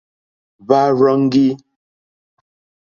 Hwá rzɔ́ŋgí.